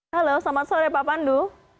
halo selamat sore pak pandu